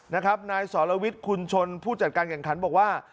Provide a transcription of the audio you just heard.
ท่านท่านายสรวิตคุณชนผู้จัดการแข่งขันบอกว่า